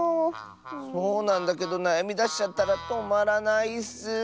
そうなんだけどなやみだしちゃったらとまらないッス。